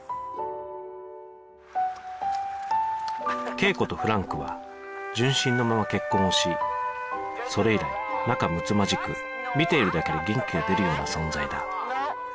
桂子とフランクは純真のまま結婚をしそれ以来仲むつまじく見ているだけで元気が出るような存在だ